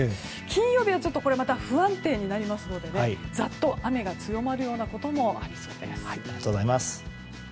金曜日は不安定になりますのでざっと雨が強まることもありそうです。